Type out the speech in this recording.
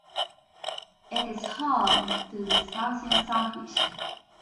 It is home to the southern sun fish.